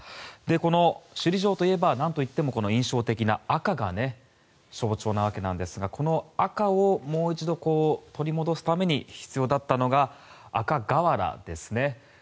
この首里城といえば何といっても印象的な赤が象徴なわけですがこの赤をもう一度取り戻すために必要だったのが赤瓦ですね。